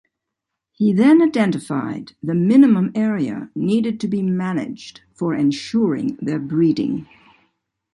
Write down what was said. He then identified the minimum area needed to be managed for ensuring their breeding.